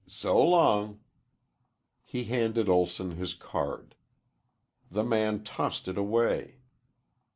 So long." He handed Olson his card. The man tossed it away.